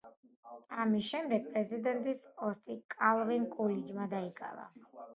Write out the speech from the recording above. ამის შემდეგ პრეზიდენტის პოსტი კალვინ კულიჯმა დაიკავა.